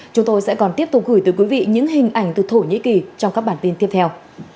chúng tôi sẽ còn tiếp tục gửi tới quý vị những hình ảnh từ thổ nhĩ kỳ trong các bản tin tiếp theo